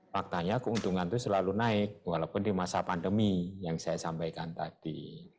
faktanya keuntungan itu selalu naik walaupun di masa pandemi yang saya sampaikan tadi